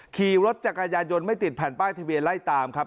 ขี่รถจักรยานยนต์ไม่ติดแผ่นป้ายทะเบียนไล่ตามครับ